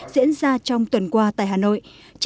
diễn ra trong tuần qua tại hà nội